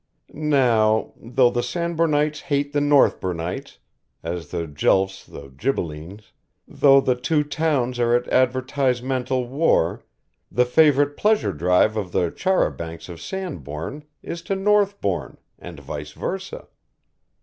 Now, though the Sandbournites hate the Northbournites as the Guelphs the Ghibellines, though the two towns are at advertisemental war, the favourite pleasure drive of the char a bancs of Sandbourne is to Northbourne, and vice versa.